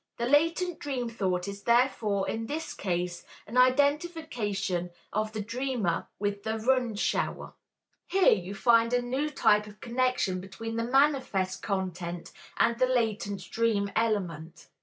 The latent dream thought is therefore in this case an identification of the dreamer with the "Rundschauer." Here you find a new type of connection between the manifest content and the latent dream element.